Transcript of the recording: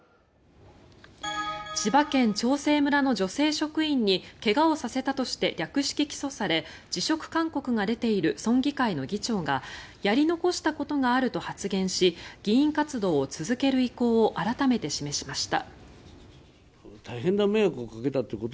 千葉県長生村の女性職員に怪我をさせたとして略式起訴され辞職勧告が出ている村議会の議長がやり残したことがあると発言し議員活動を続ける意向を改めて示しました。